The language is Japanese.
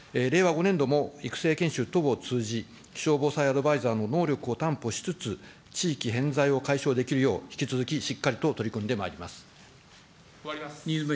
令和５年度も、育成研修等を通じ、気象防災アドバイザーの能力を担保しつつ、地域偏在を解消できるよう、引き続きしっかりと取り組んでまいります。